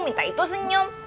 minta itu senyum